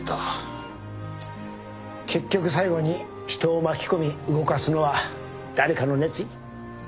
結局最後に人を巻きこみ動かすのは誰かの熱意。